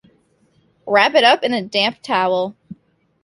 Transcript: Wrap it up in a damp towel.